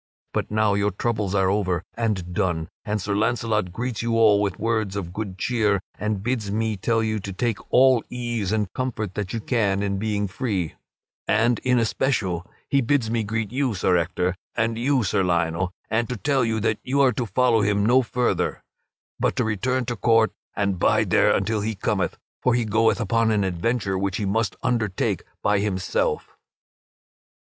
But now your troubles are over and done, and Sir Launcelot greets you all with words of good cheer and bids me tell you to take all ease and comfort that you can in being free, and in especial he bids me greet you, Sir Ector, and you, Sir Lionel, and to tell you that you are to follow him no farther, but to return to court and bide there until he cometh; for he goeth upon an adventure which he must undertake by himself."